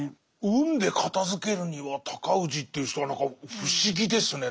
運で片づけるには尊氏という人は何か不思議ですね。